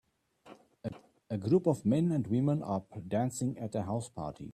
A group of men and women are dancing at a house party.